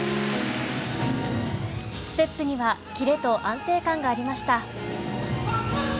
ステップには、キレと安定感がありました。